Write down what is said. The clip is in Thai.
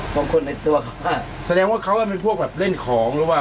สองคนในยังไงแสดงว่าเขาเป็นผู้เล่นของหรือว่า